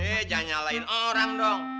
eh jangan nyalain orang dong